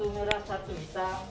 satu merah satu hitam